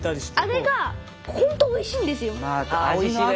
あれがほんとおいしいんですよ。